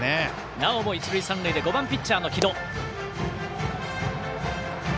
なおも一塁三塁で５番ピッチャーの城戸。